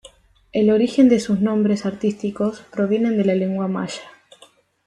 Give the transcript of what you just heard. El origen de sus nombres artísticos proviene de la lengua maya.